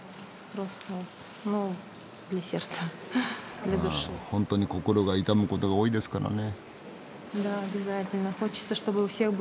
あ本当に心が痛むことが多いですからね。